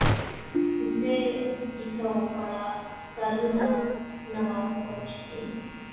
هوسۍ دیکه وخوړه ښکالو ده نه واښه وچ دي.